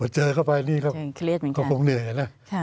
เจอเข้าไปนี่ก็คงเหนื่อยนะ